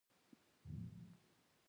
ډاکټران یې ډیر مسلکي دي.